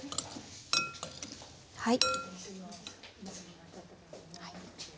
はい。